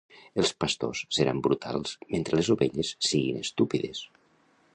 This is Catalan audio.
Els pastors seran brutals mentre les ovelles siguin estúpides.